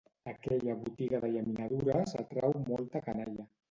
Aquella botiga de llaminadures atrau molta canalla.